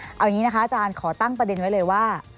เอาอย่างนี้นะคะอาจารย์ขอตั้งประเด็นไว้เลยว่า